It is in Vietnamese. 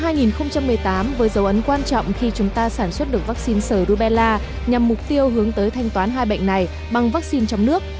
năm hai nghìn một mươi tám với dấu ấn quan trọng khi chúng ta sản xuất được vaccine sởi rubella nhằm mục tiêu hướng tới thanh toán hai bệnh này bằng vaccine trong nước